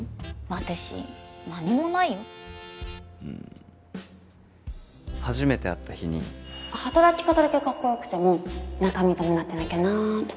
私何もないよ初めて会った日に働き方だけカッコよくても中身伴ってなきゃなあとか